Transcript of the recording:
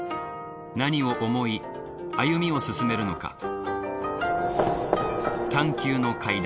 何を思い歩みを進めるのか。